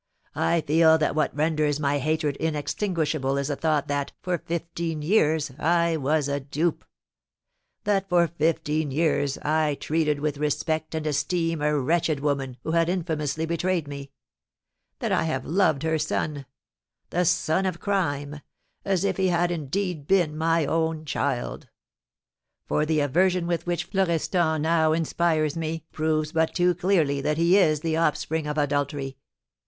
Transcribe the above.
I feel that what renders my hatred inextinguishable is the thought that, for fifteen years, I was a dupe; that for fifteen years I treated with respect and esteem a wretched woman who had infamously betrayed me; that I have loved her son the son of crime as if he had indeed been my own child; for the aversion with which Florestan now inspires me proves but too clearly that he is the offspring of adultery!